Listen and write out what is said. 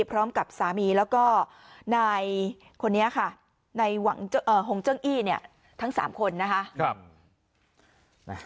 พร้อมกับสามีแล้วก็นายคนนี้ค่ะนายหวังฮงเจิ้งอี้เนี่ยทั้ง๓คนนะคะ